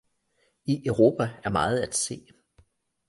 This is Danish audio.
I europa er meget at se